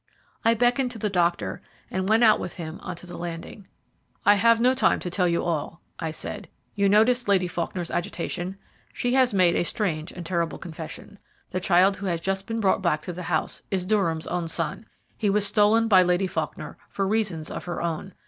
I beckoned to the doctor, and went out with him on to the landing. "I have no time to tell you all," I said. "You noticed Lady Faulkner's agitation? She has made a strange and terrible confession. The child who has just been brought back to the house is Durham's own son. He was stolen by Lady Faulkner for reasons of her own.